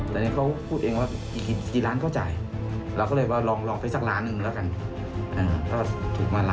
มันเปิดปากกับภาคภูมิ